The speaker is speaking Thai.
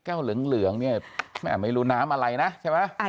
แก้วเหลืองไม่รู้น้ำอะไรนะใช่ไหม